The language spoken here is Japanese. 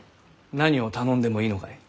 何を頼んでもいいのかい？